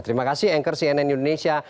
terima kasih anchor cnn indonesia